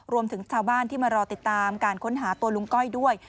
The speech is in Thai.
รวมถึงชาวบ้านที่มารอติดตามการค้นหาตัวลุงก้อยด้วย